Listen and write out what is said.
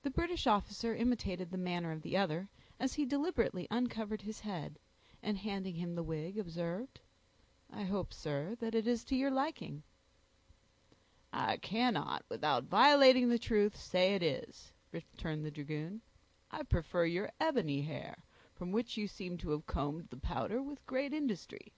The British officer imitated the manner of the other, as he deliberately uncovered his head, and handing him the wig, observed, "I hope, sir, it is to your liking." "I cannot, without violating the truth, say it is," returned the dragoon. "I prefer your ebony hair, from which you seem to have combed the powder with great industry.